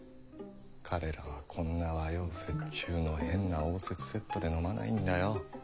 彼らはこんな和洋折衷の変な応接セットで飲まないんだよッ。